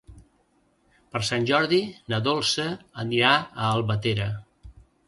Per Sant Jordi na Dolça anirà a Albatera.